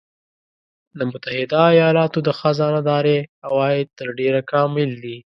د متحده ایالاتو د خزانه داری عواید تر ډېره کامل دي